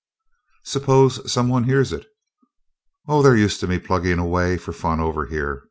"Suppose some one hears it?" "Oh, they're used to me pluggin' away for fun over here.